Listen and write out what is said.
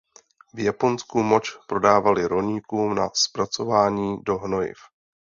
V Japonsku moč prodávali rolníkům na zpracování do hnojiv.